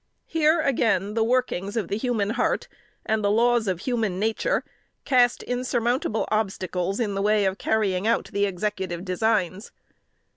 Here again the workings of the human heart, and the laws of human nature, cast insurmountable obstacles in the way of carrying out the Executive designs.